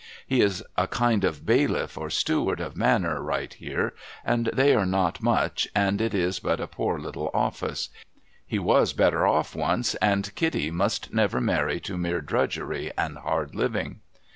He is a kind of bailiff or steward of manor rights here, and they are not much, and it is but a poor little office. He was better off once, and Kitty must never marry to mere drudgery and hard living.'